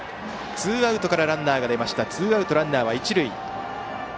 ツーアウトからランナーが出てツーアウトランナー、一塁。